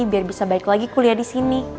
biar bisa baik lagi kuliah di sini